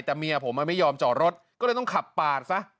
แต่เมียผมไม่ยอมจอดรถก็เลยต้องขับปาดซะ